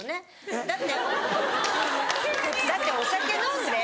えっ？だってだってお酒飲んで。